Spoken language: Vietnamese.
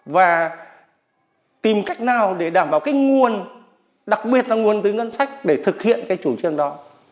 và tìm cách nào để đảm bảo cái nguồn đặc biệt là nguồn từ ngân sách để thực hiện cái chủ trương đó